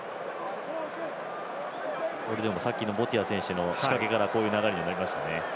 さっきのボティア選手の仕掛けからこういう流れになりましたね。